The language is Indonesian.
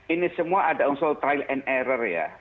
ini semua ada unsur trial and error ya